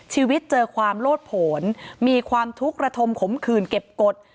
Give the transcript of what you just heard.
เจอความโลดผลมีความทุกข์ระทมขมขื่นเก็บกฎ